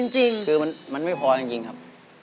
จริงคือมันไม่พอจริงครับ